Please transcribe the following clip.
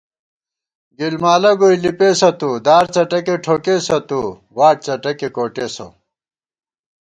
گِلمالہ گوئی لِپېسہ تُو، دارڅٹَکےٹھوکېسہ تُو، واٹ څٹَکےکوٹېسہ